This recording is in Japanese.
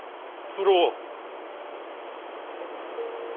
九郎。